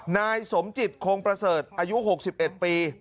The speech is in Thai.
นายสมจิตคงประเสริฐอายุ๖๑ปี